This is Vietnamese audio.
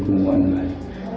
cùng mọi người